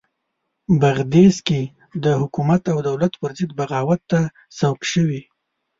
بغدیس کې د حکومت او دولت پرضد بغاوت ته سوق شوي.